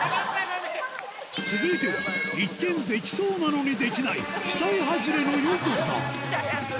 続いては一見できそうなのにできない期待外れの横田キャ！